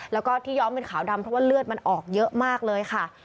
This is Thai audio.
แล้วก็ที่ย้อมเป็นขาวดำเพราะว่าเลือดมันออกเยอะมากเลยค่ะ